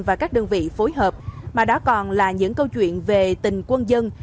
và các đơn vị phối hợp mà đó còn là những câu chuyện về tình quân dân